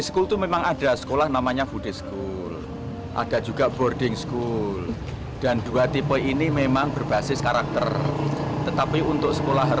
jadi yang satu hari buat istirahat dan yang satu hari buat persiapan buat besok ke sekolah